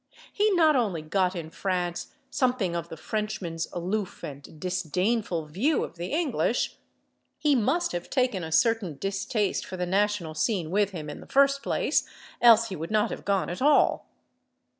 He not only got in France something of the Frenchman's aloof and disdainful view of the English; he must have taken a certain distaste for the national scene with him in the first place, else he would not have gone at all.